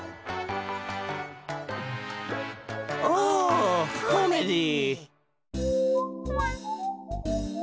オコメディー！